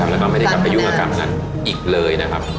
แล้วก็ไม่ได้กลับไปยุ่งกับกรรมนั้นอีกเลยนะครับ